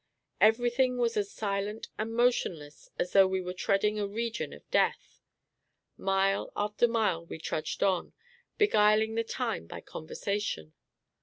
Everything was as silent and motionless as though we were treading a region of death. Mile after mile, we trudged on, beguiling the time by conversation.